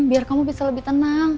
biar kamu bisa lebih tenang